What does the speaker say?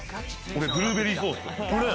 俺ブルーベリーソース。